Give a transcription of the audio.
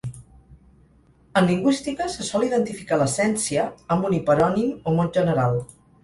En lingüística se sol identificar l'essència amb un hiperònim o mot general.